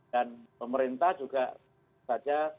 dan pemerintah juga